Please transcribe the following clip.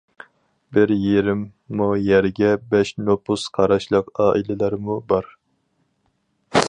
بىر يېرىم مو يەرگە بەش نوپۇس قاراشلىق ئائىلىلەرمۇ بار.